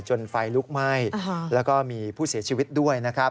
ไฟลุกไหม้แล้วก็มีผู้เสียชีวิตด้วยนะครับ